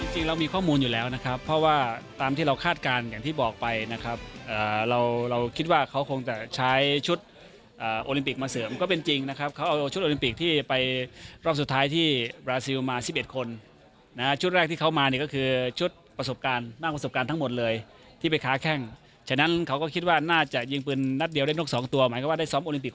จริงเรามีข้อมูลอยู่แล้วนะครับเพราะว่าตามที่เราคาดการณ์อย่างที่บอกไปนะครับเราเราคิดว่าเขาคงจะใช้ชุดโอลิมปิกมาเสริมก็เป็นจริงนะครับเขาเอาชุดโอลิมปิกที่ไปรอบสุดท้ายที่บราซิลมา๑๑คนนะฮะชุดแรกที่เขามาเนี่ยก็คือชุดประสบการณ์นั่งประสบการณ์ทั้งหมดเลยที่ไปค้าแข้งฉะนั้นเขาก็คิดว่าน่าจะยิงปืนนัดเดียวได้นกสองตัวหมายความว่าได้ซ้อมโอลิมปิก